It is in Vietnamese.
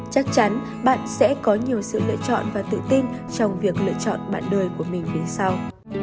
chắc chắn bạn sẽ có nhiều sự lựa chọn và tự tin trong việc lựa chọn bạn đời của mình về sau